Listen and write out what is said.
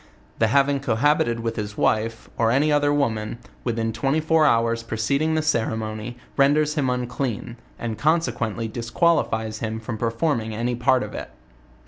The having cohabited with his wife, or any other woman, within twenty four hours preceding the ceremony, renders him unclean, and, consequently disquali fies him from performing any part of it.